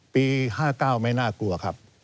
ปี๕๙ไม่น่ากลัวครับ